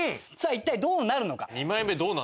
さあ一体どうなるのか？